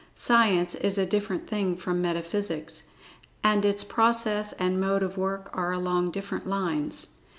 Science is a different thing from metaphysics, and its process and mode of work are along different lines.